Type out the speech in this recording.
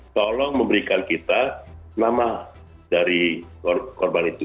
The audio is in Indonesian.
tolong memberikan kita nama dari korban itu